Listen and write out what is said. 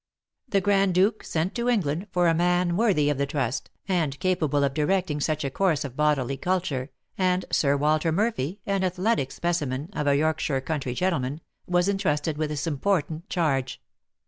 The Grand Duke sent to England for a man worthy of the trust, and capable of directing such a course of bodily culture, and Sir Walter Murphy, an athletic specimen, of a Yorkshire country gentleman, was entrusted with this important charge.